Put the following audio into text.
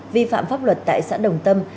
vi phạm pháp luật tại xã đồng tâm